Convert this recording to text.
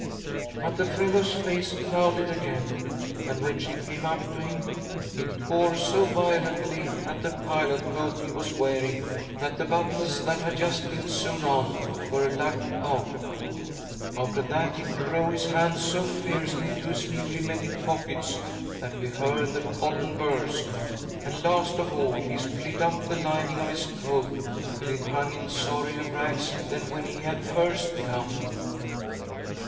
" But the fellow's face clouded again, and, when ■;•''".,',"•.'•;■'■■••..■~^~~. r ~~~~ A CALL FROM THE PAST 81 she came up to him, he tore so violently at the pilot coat he was wearing that the buttons— that had just been sewn on — were lugged out. After that he drove his hands so fiercely into his newly mended pockets that we heard the cotton burst ; and, last of all, he split up the fining of his coat till it hung in sorrier rags than when he had first come.